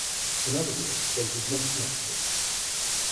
In other words, they did not have to.